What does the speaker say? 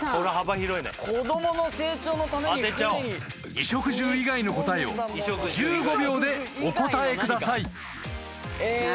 ［衣食住以外の答えを１５秒でお答えください］えっと。